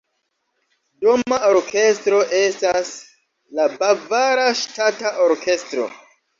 Doma orkestro estas la Bavara Ŝtata Orkestro.